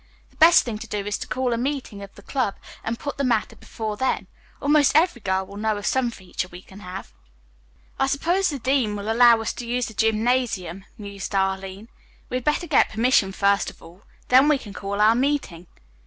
The best thing to do is to call a meeting of the club and put the matter before them. Almost every girl will know of some feature we can have." "I suppose the dean will allow us to use the gymnasium," mused Arline. "We had better get permission first of all. Then we can call our meeting."